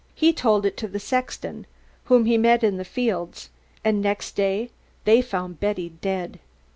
He told it to the sexton, whom he met in the fields; and next morning they found Betty dead.